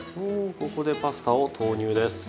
おここでパスタを投入です。